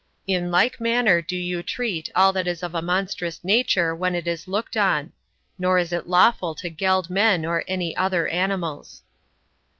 In like manner do you treat all that is of a monstrous nature when it is looked on; nor is it lawful to geld men or any other animals.